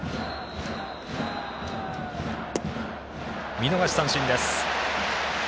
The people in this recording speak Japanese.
見逃し三振です。